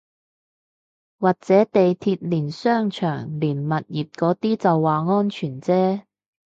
或者地鐵連商場連物業嗰啲就話安全啫